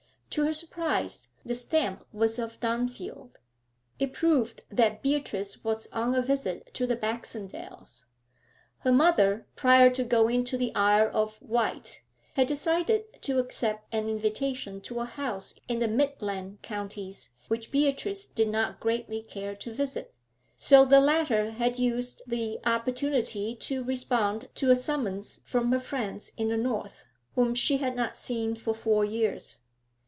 To her surprise, the stamp was of Dunfield. It proved that Beatrice was on a visit to the Baxendales. Her mother, prior to going to the Isle of Wight, had decided to accept an invitation to a house in the midland counties which Beatrice did not greatly care to visit; so the latter had used the opportunity to respond to a summons from her friends in the north, whom she had not seen for four years.